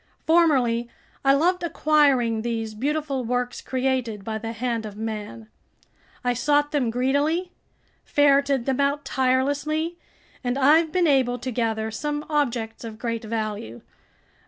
Formerly I loved acquiring these beautiful works created by the hand of man. I sought them greedily, ferreted them out tirelessly, and I've been able to gather some objects of great value.